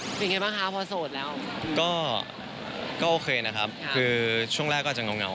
เป็นไงบ้างคะพอโสดแล้วก็โอเคนะครับคือช่วงแรกก็อาจจะเงา